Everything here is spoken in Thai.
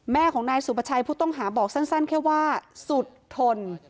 แม่ของนายสุประชัยผู้ต้องหาบอกสั้นแค่ว่าสุดทน